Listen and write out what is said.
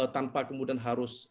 tanpa kemudian harus menghadapi